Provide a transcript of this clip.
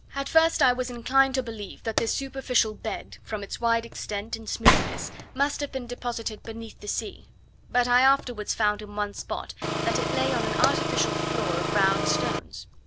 At first I was inclined to believe that this superficial bed, from its wide extent and smoothness, must have been deposited beneath the sea; but I afterwards found in one spot, that it lay on an artificial floor of round stones.